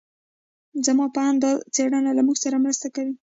زما په اند دا څېړنه له موږ سره مرسته کوي.